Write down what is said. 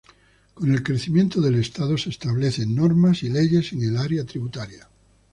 Con el crecimiento del Estado se establece normas y leyes en el área tributaria.